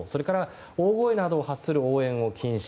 大声などを発する応援を禁止。